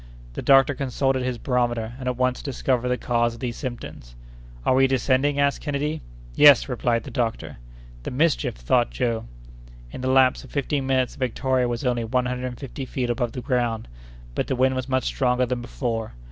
The doctor consulted his barometer, and at once discovered the cause of these symptoms. "Are we descending?" asked Kennedy. "Yes!" replied the doctor. "The mischief!" thought Joe In the lapse of fifteen minutes the Victoria was only one hundred and fifty feet above the ground; but the wind was much stronger than before.